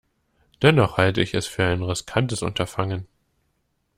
Dennoch halte ich es für ein riskantes Unterfangen.